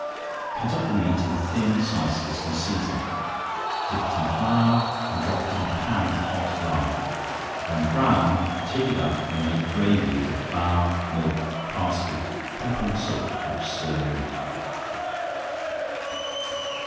Cut up the meat in thin slices, and season it; dip it in flour and drop it in a pan of hot lard; when brown, take it up, and make gravy with flour, milk, parsley, pepper and salt, which stir in.